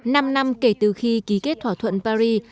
năm năm kể từ khi ký kết thỏa thuận paris